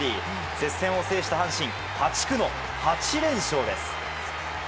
接戦を制した阪神破竹の８連勝です。